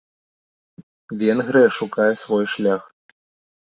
Венгрыя шукае свой шлях.